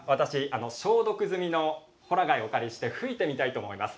消毒済みのほら貝をお借りして吹いてみたいと思います。